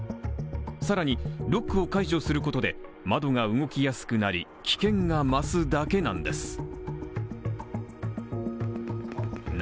更にロックを解除することで窓が動きやすくなり、危険が増すだけなんです。